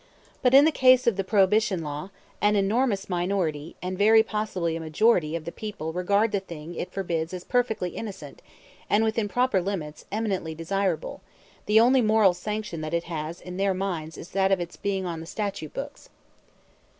But in the case of the Prohibition law, an enormous minority, and very possibly a majority, of the people regard the thing it forbids as perfectly innocent and, within proper limits, eminently desirable; the only moral sanction that it has in their minds is that of its being on the statute books.